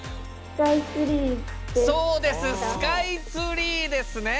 そうですスカイツリーですね。